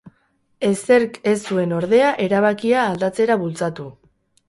Ezerk ez zuen, ordea, erabakia aldatzera bultzatu.